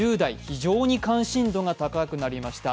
非常に関心度が高くなりました。